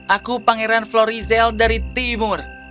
aku pangeran florizel dari timur